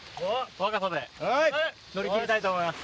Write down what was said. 若さで乗り切りたいと思います。